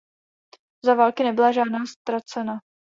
Za války nebyla žádná ztracena.